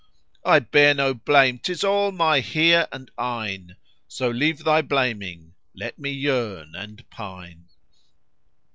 I bear no blame: 'tis all my hear and eyne; * So leave thy blaming, let me yearn and pine."